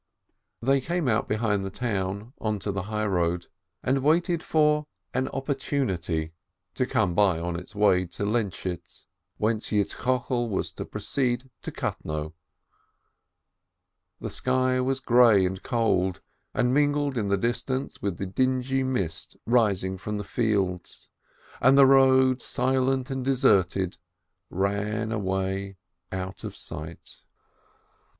524 ASCH They came out behind the town, onto the highroad, and waited for an "opportunity" to come by on its way to Lentschitz, whence Yitzchokel was to proceed to Kutno. The sky was grey and cold, and mingled in the distance with the dingy mist rising from the fields, and the road, silent and deserted, ran away out of sight.